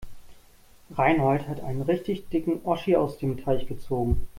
Reinhold hat einen richtig dicken Oschi aus dem Teich gezogen.